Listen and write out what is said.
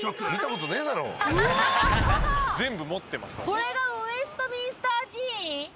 これがウェストミンスター寺院。